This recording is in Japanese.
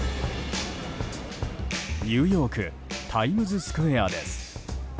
ニューヨークタイムズスクエアです。